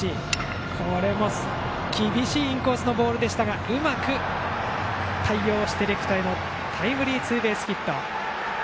これも厳しいインコースのボールでしたがうまく対応して、レフトへのタイムリーツーベースヒット。